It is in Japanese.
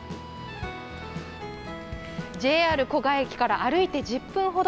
ＪＲ古河駅から歩いて１０分ほど。